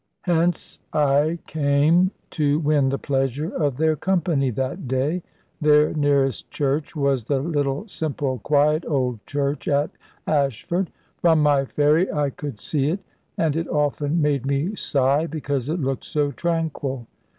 Hence I came to win the pleasure of their company, that day. Their nearest church was the little, simple, quiet old church at Ashford. From my ferry I could see it; and it often made me sigh, because it looked so tranquil.